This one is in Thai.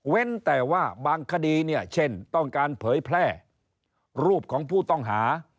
แต่ว่าบางคดีเนี่ยเช่นต้องการเผยแพร่รูปของผู้ต้องหา